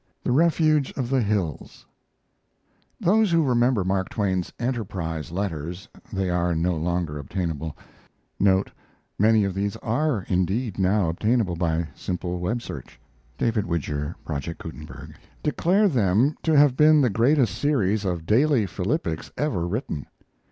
THE REFUGE OF THE HILLS Those who remember Mark Twain's Enterprise letters (they are no longer obtainable) [Many of these are indeed now obtainable by a simple Web search. D.W.] declare them to have been the greatest series of daily philippics ever written.